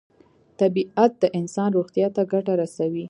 طبیعت د انسان روغتیا ته ګټه رسوي.